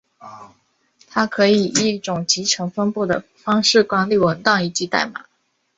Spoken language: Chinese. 它可以以一种集成分布的方式管理文档以及代码。